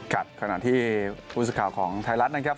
ขณะที่ผู้สื่อข่าวของไทยรัฐนะครับ